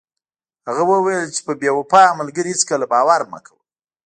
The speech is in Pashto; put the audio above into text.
هغه وویل چې په بې وفا ملګري هیڅکله باور مه کوه.